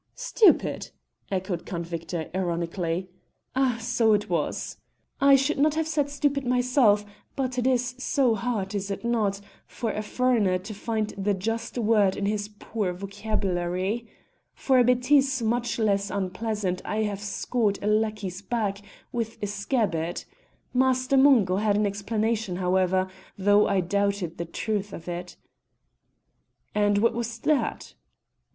"Stupid!" echoed Count Victor ironically. "Ah! so it was. I should not have said stupid myself, but it so hard, is it not, for a foreigner to find the just word in his poor vocabulary? For a bêtise much less unpleasant I have scored a lackey's back with a scabbard. Master Mungo had an explanation, however, though I doubted the truth of it." "And what was that?"